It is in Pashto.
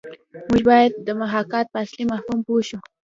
موږ باید د محاکات په اصلي مفهوم پوه شو